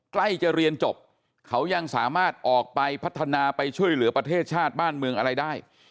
ใกล้จะเรียนจบเขายังสามารถออกไปพัฒนาไปช่วยเหลือประเทศชาติบ้านเมืองอะไรได้